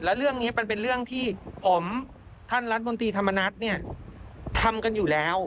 และเรื่องนี้มันเป็นเรื่องที่ผมท่านรัฐมนตรีธรรมนัฐเนี่ยทำกันอยู่แล้ว